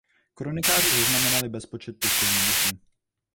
Kronikáři zaznamenali bezpočet těchto výbuchů.